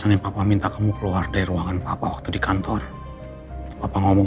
kenapa papa gak mau kamu ikut campur